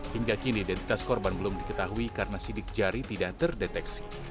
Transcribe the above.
hingga kini identitas korban belum diketahui karena sidik jari tidak terdeteksi